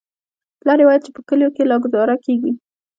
پلار يې ويل چې په کليو کښې لا گوزاره کېږي.